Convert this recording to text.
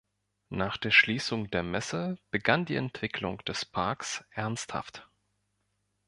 Nach der Schließung der Messe begann die Entwicklung des Parks ernsthaft.